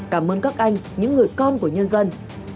cảm ơn các anh những người con của nhân dân